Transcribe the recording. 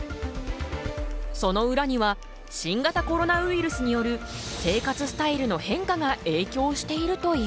その裏には新型コロナウイルスによる生活スタイルの変化がえいきょうしているという。